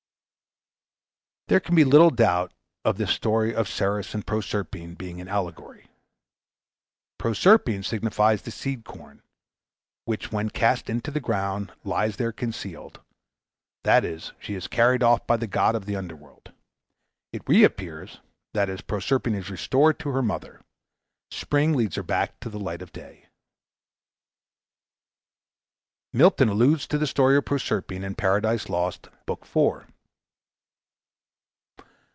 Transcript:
There can be little doubt of this story of Ceres and Proserpine being an allegory. Proserpine signifies the seed corn which when cast into the ground lies there concealed that is, she is carried off by the god of the underworld. It reappears that is, Proserpine is restored to her mother. Spring leads her back to the light of day. Milton alludes to the story of Proserpine in "Paradise Lost," Book IV.: "..